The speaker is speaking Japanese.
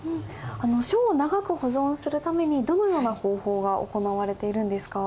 書を長く保存するためにどのような方法が行われているんですか？